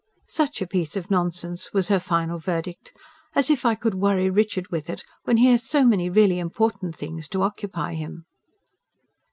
"Such a piece of nonsense!" was her final verdict. "As if I could worry Richard with it, when he has so many really important things to occupy him."